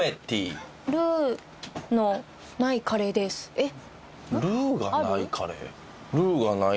えっ？